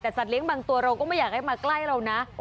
แต่สัตเลี้ยบางตัวเราก็ไม่อยากให้มาใกล้เรานะ